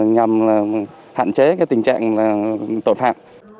nhằm hạn chế tình trạng tội phạm